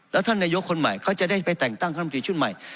แล้วท่านนายกคนใหม่เขาจะได้ไปแต่งตั้งคณะมตรีชุดใหม่